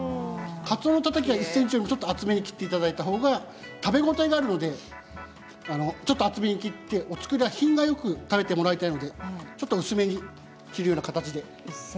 かつおのたたきは１ｃｍちょっと厚めに切ってもらいたほうが食べ応えがあるのでちょっと厚めに切ってお造りは品よく食べてもらいたいのでちょっと薄めに切るような形です。